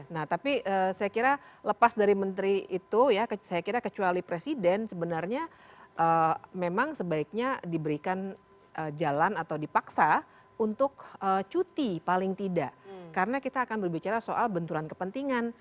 nah tapi saya kira lepas dari menteri itu ya saya kira kecuali presiden sebenarnya memang sebaiknya diberikan jalan atau dipaksa untuk cuti paling tidak karena kita akan berbicara soal benturan kepentingan